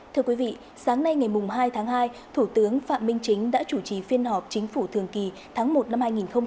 thưa quý vị sáng nay ngày hai tháng hai thủ tướng phạm minh chính đã chủ trì phiên họp chính phủ thường kỳ tháng một năm hai nghìn hai mươi